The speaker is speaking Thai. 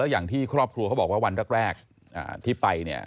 แล้วยังที่ครอบครัวเขาบอกว่าวันแรกที่ไป